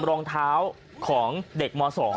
รองเท้าของเด็กม๒